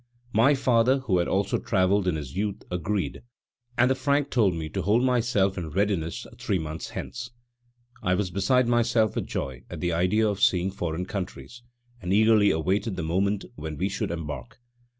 My father, who had also travelled in his youth, agreed, and the Frank told me to hold myself in readiness three months hence. I was beside myself with joy at the idea of seeing foreign countries, and eagerly awaited the moment when we should embark.